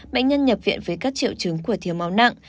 bệnh nhân nhập viện với các triệu chứng của thiếu máu nặng